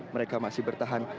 mereka masih bertahan